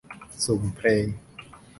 สุ่มเพลง